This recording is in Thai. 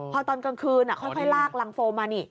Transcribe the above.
พอตอนกลางคืนค่อยลากรังโฟมมานี่